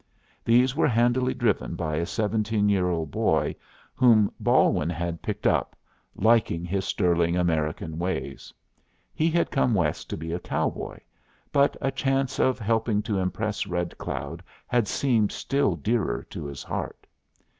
These were handily driven by a seventeen year old boy whom Balwin had picked up, liking his sterling American ways. He had come West to be a cow boy, but a chance of helping to impress Red Cloud had seemed still dearer to his heart.